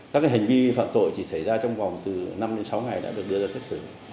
các hành vi phạm tội chỉ xảy ra trong vòng từ năm đến sáu ngày đã được đưa ra xét xử